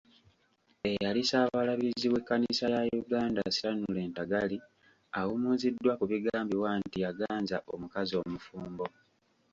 Eyali Ssaabalabirizi w'Ekkanisa ya Uganda, Stanely Ntagali, awummuziddwa ku bigambibwa nti yaganza omukazi omufumbo.